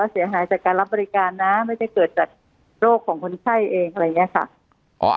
เสียหายจากการรับบริการนะไม่ได้เกิดจากโรคของคนไข้เองอะไรอย่างนี้ค่ะ